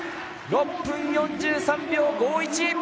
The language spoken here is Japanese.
６分４３秒５１！